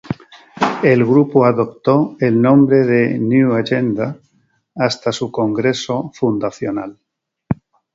El grupo adoptó el nombre de "New Agenda" hasta su congreso fundacional.